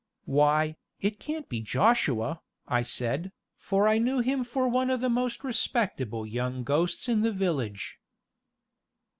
"Why, it can't be Joshua," I said, for I knew him for one of the most respectable young ghosts in the village.